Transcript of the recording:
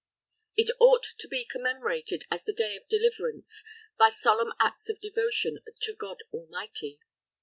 _ _It ought to be commemorated as the Day of Deliverance, by solemn acts of devotion to God Almighty.